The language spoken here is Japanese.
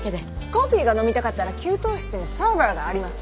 コーフィーが飲みたかったら給湯室にサーバーがあります。